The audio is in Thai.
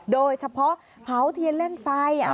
โดยเฉพาะเผาเทียนเล่นไฟ